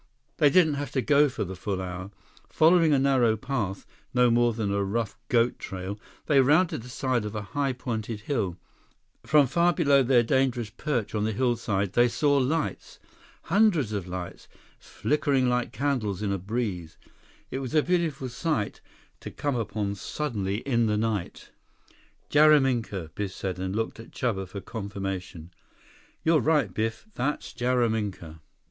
They didn't have to go for the full hour. Following a narrow path, no more than a rough goat trail, they rounded the side of a high pointed hill. From far below their dangerous perch on the hillside, they saw lights. Hundreds of lights, flickering like candles in a breeze. It was a beautiful sight to come upon suddenly in the night. "Jaraminka," Biff said, and looked at Chuba for confirmation. "You right, Biff. That Jaraminka."